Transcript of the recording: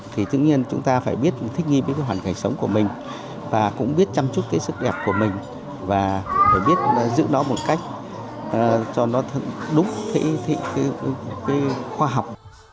thì tất nhiên chúng ta phải biết thích nghi với cái hoàn cảnh sống của mình và cũng biết chăm chút cái sức đẹp của mình và phải biết giữ nó một cách cho nó đúng cái khoa học